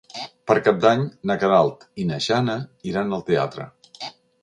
Per Cap d'Any na Queralt i na Jana iran al teatre.